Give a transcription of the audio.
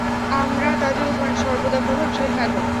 আমরা তাদের উপর সর্বদা প্রভাবশালী থাকব।